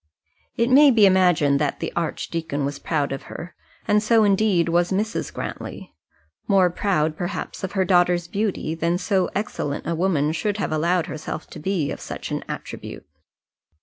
It may be imagined that the archdeacon was proud of her, and so indeed was Mrs. Grantly more proud, perhaps, of her daughter's beauty, than so excellent a woman should have allowed herself to be of such an attribute.